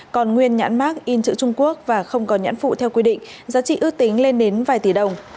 còn nguyên nhãn mark in chữ trung quốc và không có nhãn phụ theo quy định giá trị ước tính lên đến vài tỷ đồng